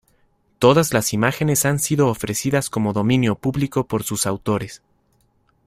Todas las imágenes han sido ofrecidas como dominio público por sus autores.